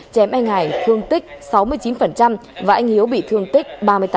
chém anh hải thương tích sáu mươi chín và anh hiếu bị thương tích ba mươi tám